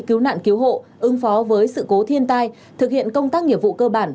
cứu nạn cứu hộ ứng phó với sự cố thiên tai thực hiện công tác nghiệp vụ cơ bản